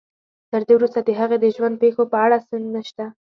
تر دې وروسته د هغې د ژوند پېښو په اړه سند نشته.